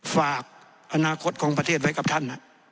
ฝากอนาคตของประเทศไว้กับท่าน